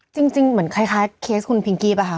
จริงเหมือนคล้ายเคสคุณพิงกี้ป่ะคะ